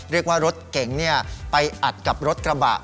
เรียกว่ารถเก่งเนี่ยไปอัดกับรถกระบะ